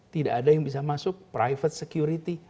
tidak ada yang bisa masuk private security